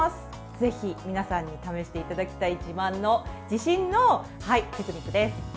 ぜひ皆さんに試していただきたい自慢の、自信のテクニックです。